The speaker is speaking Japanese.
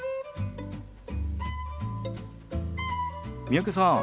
三宅さん